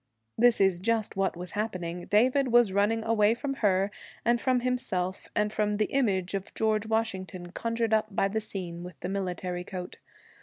This is just what was happening. David was running away from her, and from himself, and from the image of George Washington, conjured up by the scene with the military coat.